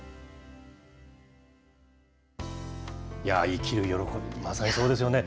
生きる喜び、まさにそうですよね。